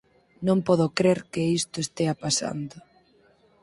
Non podo crer que isto estea pasando.